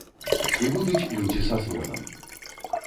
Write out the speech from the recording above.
І будуць людзі са звонам.